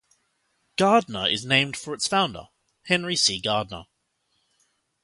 Gardner is named for its founder, Henry C. Gardner.